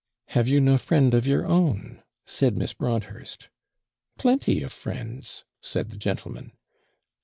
'"Have you no friend of your own?" said Miss Broadhurst. '"Plenty of friends," said the gentleman.